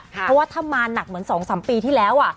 เพราะว่าถ้ามาหนักเหมือน๒๓ปีที่แล้ว